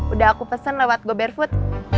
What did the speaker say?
udah aku pesen lewat go barefoot